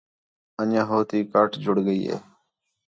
انڄیاں ہو تی کاٹ جڑ ڳئی ہِے